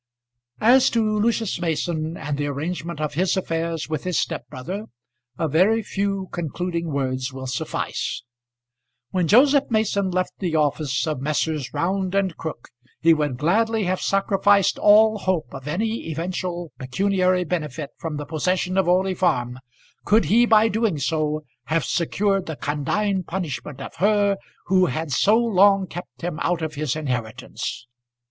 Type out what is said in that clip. As to Lucius Mason and the arrangement of his affairs with his step brother a very few concluding words will suffice. When Joseph Mason left the office of Messrs. Round and Crook he would gladly have sacrificed all hope of any eventual pecuniary benefit from the possession of Orley Farm could he by doing so have secured the condign punishment of her who had so long kept him out of his inheritance.